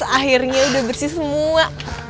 akhirnya udah bersih semua